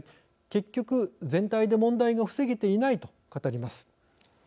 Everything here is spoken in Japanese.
結局、全体で問題が防げていない」と語ります。